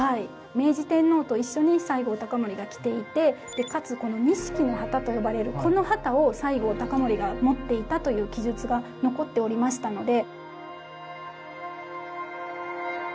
明治天皇と一緒に西郷隆盛が来ていてかつこの錦の旗と呼ばれるこの旗を西郷隆盛が持っていたという記述が残っておりましたので。